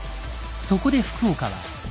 そこで福岡は。